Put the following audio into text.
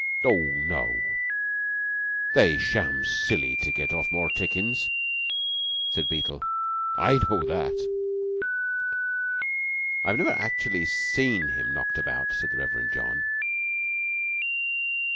"Oh, no. They sham silly to get off more tickings," said Beetle. "I know that." "I've never actually seen him knocked about," said the Reverend John.